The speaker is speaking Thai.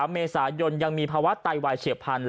เมษายนยังมีภาวะไตวายเฉียบพันธุ